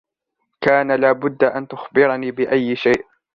كان لبد أن تخبرني بأي شيء.